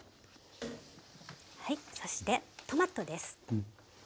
はいそしてトマトです。